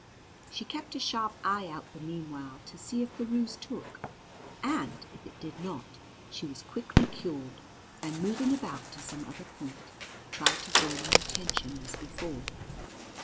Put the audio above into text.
She kept a sharp eye out the mean while to see if the ruse took, and, if it did not, she was quickly cured, and, moving about to some other point, tried to draw my attention as before.